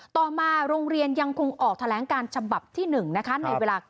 ต่อมาโรงเรียนยังคงออกแถลงการฉบับที่๑นะคะในเวลา